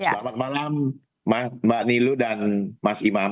selamat malam mbak nilu dan mas imam